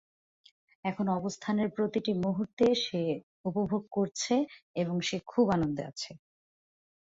এখন অবস্থানের প্রতিটি মুহূর্তে সে উপভোগ করছে এবং সে খুব আনন্দে আছে।